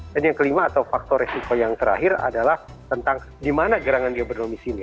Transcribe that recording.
dan yang kelima atau faktor resiko yang terakhir adalah tentang di mana gerangan dia bernomis ini